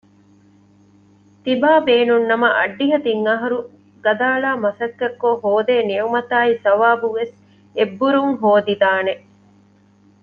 ތިބާބޭނުންނަމަ އައްޑިހަ ތިން އަހަރު ގަދައަޅާ މަސައްކަތްކޮށް ހޯދޭ ނިޢުމަތާއި ޘަވާބުވެސް އެއްބުރުން ހޯދިދާނެ